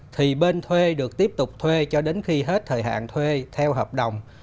thì bên thuê được tiếp tục thuê cho đến khi hết thời hạn thuê theo hợp đồng